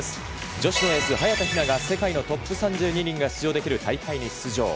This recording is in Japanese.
女子のエース、早田ひなが世界のトップ３２人が出場できる大会に出場。